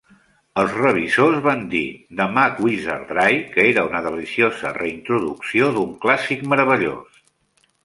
Els revisors van dir de MacWizardry que era una deliciosa reintroducció d'un clàssic meravellós.